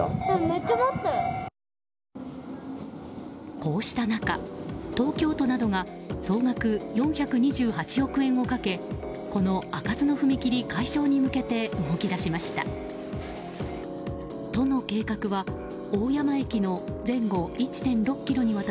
こうした中、東京都などが総額４２８億円をかけこの開かずの踏切解消に向けて動き出しました。